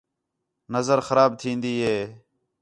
نظر خراب تھین٘دی ہے